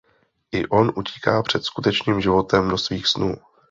I on utíká před skutečným životem do svých snů.